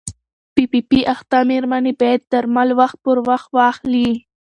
پي پي پي اخته مېرمنې باید درمل وخت پر وخت واخلي.